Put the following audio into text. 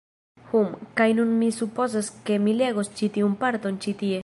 Hum, kaj nun mi supozas ke mi legos ĉi tiun parton ĉi tie